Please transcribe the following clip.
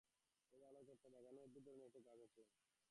ও ভালো কথা, বাগানে খুব অদ্ভুত ধরনের একটা গাছ আছে।